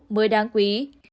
mới đáng quý